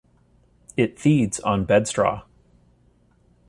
It feeds on bedstraw.